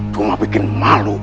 rumah bikin malu